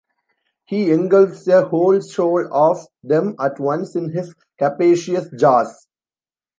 He engulfs a whole shoal of them at once in his capacious jaws.